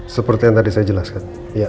seperti yang tadi saya jelaskan